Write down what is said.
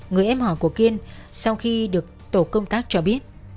người em hỏi của kiên sau khi được tổ công tác cho biết